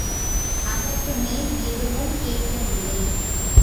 அதற்கு மேல் எதுவும் கேட்கவில்லை.